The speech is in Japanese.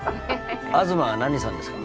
東何さんですか？